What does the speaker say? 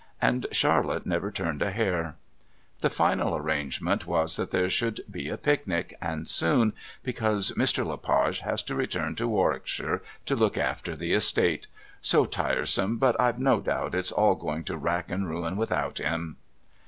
and Charlotte never turned a hair. The final arrangement was that there should be a picnic and soon, because "Mr. Le Page has to return to Warwickshire to look after the Estate so tiresome, but I've no doubt it's all going to wrack and ruin without him."